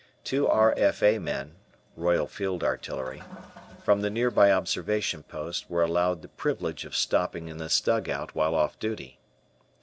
Two R.F.A. men (Royal Field Artillery) from the nearby observation post were allowed the privilege of stopping in this dugout while off duty.